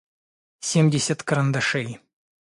семьдесят карандашей